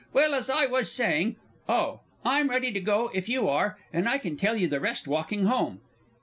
Well, as I was saying oh, I'm ready to go if you are, and I can tell you the rest walking home.